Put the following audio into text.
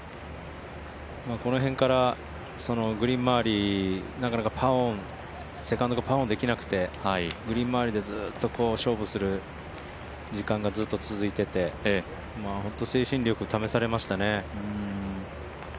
この辺からグリーン周り、なかなかセカンドがパーオンできなくて、グリーン周りで勝負する時間がずっと続いてて本当に精神力を試されましたね。